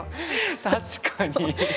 確かに。